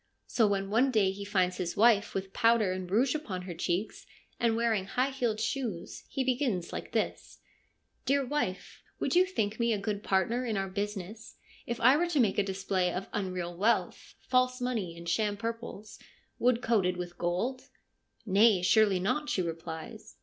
So when one day he finds his wife with powder and rouge upon her cheeks, and wearing high heeled shoes, he begins like this :' Dear wife, would you think me a good partner in our business if I were to make a display of unreal wealth, false money, and sham purples, wood coated with gold ?'' Nay, surely not,' she replies.